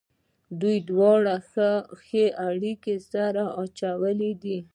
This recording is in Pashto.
دوی دواړو ښې اړېکې سره اچولې دي.